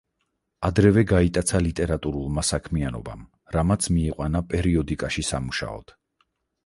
ადრევე გაიტაცა ლიტერატურულმა საქმიანობამ, რამაც მიიყვანა პერიოდიკაში სამუშაოდ.